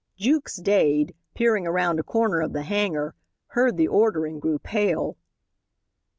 Jukes Dade, peering around a corner of the hangar, heard the order and grew pale.